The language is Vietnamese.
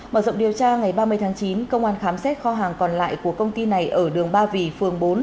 mở rộng điều tra ngày ba mươi tháng chín công an khám xét kho hàng còn lại của công ty này ở đường ba vì phường bốn